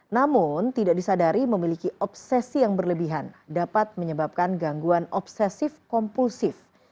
namun tidak disadari memiliki obsesi yang berlebihan dapat menyebabkan gangguan obsesif kompulsif